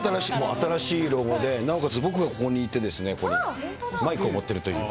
新しいロゴで、なおかつ、僕がここにいて、マイクを持ってるという。